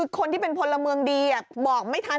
คนที่เป็นพลเมืองดีบอกไม่ทัน